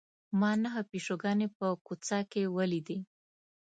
ما نهه پیشوګانې په کوڅه کې ولیدې.